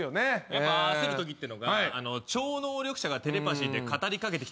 やっぱ焦るときってのが超能力者がテレパシーで語りかけてきたときね。